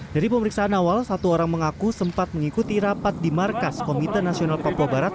dari pemeriksaan awal satu orang mengaku sempat mengikuti rapat di markas komite nasional papua barat